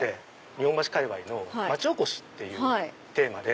日本橋界わいの町おこしっていうテーマで。